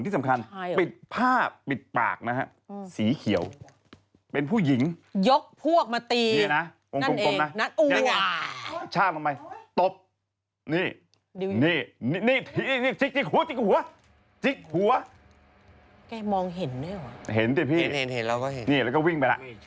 ที่สำคัญปิดผ้าปิดปากนะฮะสีเขียวเป็นผู้หญิง